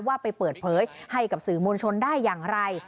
ว่าไปเปิดเผยให้กับสื่อมวลชนได้อย่างไร